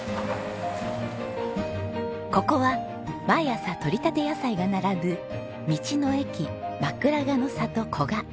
ここは毎朝とりたて野菜が並ぶ道の駅まくらがの里こが。